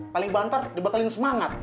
paling banter dibekelin semangat